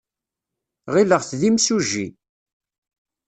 Ɣileɣ-t d imsujji.